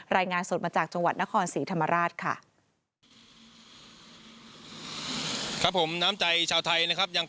รายงานสดมาจากจังหวัดนครศรีธรรมราชค่ะ